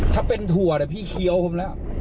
ถ้าเป็นถั่วผมมีสางอักมมฝากษาแต่คล็าแหละ